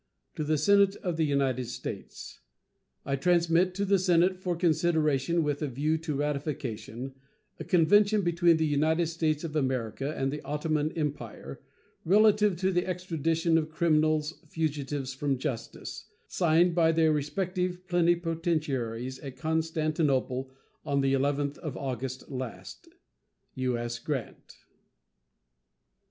To the Senate of the United States: I transmit to the Senate, for consideration with a view to ratification, a convention between the United States of America and the Ottoman Empire, relative to the extradition of criminals fugitives from justice, signed by their respective plenipotentiaries at Constantinople on the 11th of August last. U.S. GRANT.